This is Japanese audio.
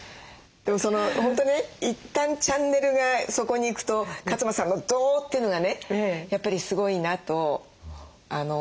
でも本当ね一旦チャンネルがそこに行くと勝間さんのドーッていうのがねやっぱりすごいなと思う。